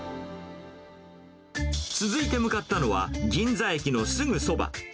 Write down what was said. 続いて向かったのは、銀座駅のすぐそば。